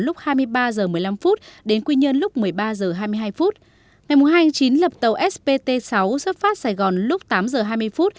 lúc hai mươi ba h một mươi năm đến quy nhơn lúc một mươi ba h hai mươi hai ngày hai tháng chín lập tàu spt sáu xuất phát tại sài gòn lúc tám h hai mươi